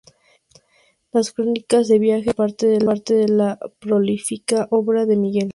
Las crónicas de viajes son una parte de la prolífica obra de Miguel Delibes.